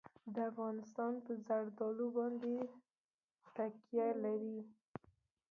افغانستان په زردالو باندې تکیه لري.